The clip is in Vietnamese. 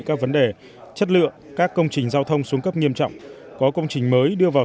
các vấn đề chất lượng các công trình giao thông xuống cấp nghiêm trọng có công trình mới đưa vào